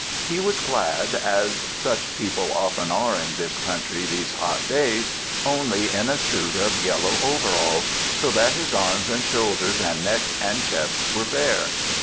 He was clad, as such people often are in this country these hot days, only in a suit of yellow overalls, so that his arms and shoulders and neck and chest were bare.